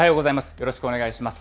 よろしくお願いします。